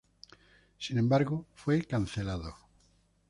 Sin embargo, fue cancelado.